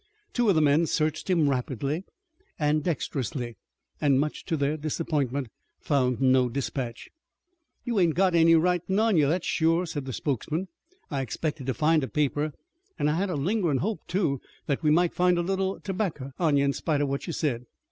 Two of the men searched him rapidly and dexterously, and much to their disappointment found no dispatch. "You ain't got any writin' on you, that's shore," said the spokesman. "I'd expected to find a paper, an' I had a lingerin' hope, too, that we might find a little terbacker on you 'spite of what you said."